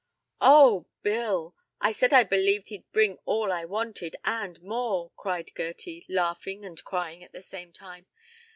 "Oh, Bill, I said I believed he'd bring all I wanted, and more," cried Gerty, laughing and crying at the same time.